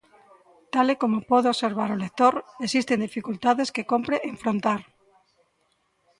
Tal e como pode observar o lector, existen dificultades que cómpre enfrontar.